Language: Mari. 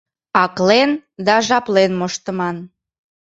Аклен да жаплен моштыман.